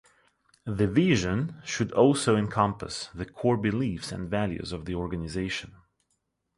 The vision should also encompass the core beliefs and values of the organization.